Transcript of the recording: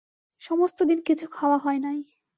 সমস্তদিন কিছু খাওয়া হয় নাই।